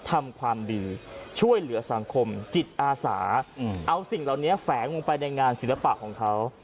ทำความดีช่วยเหลือสังคมจิตอาสาเอาสิ่งเหล่านี้แฝงลงไปในงานศิลปะของเขา